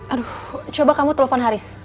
aduh coba kamu telepon haris